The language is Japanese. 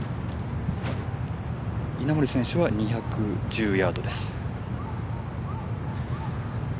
稲森選手は２１０ヤードです。